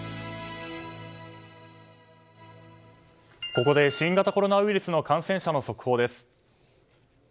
ここで新型コロナウイルスの感染者の速報です。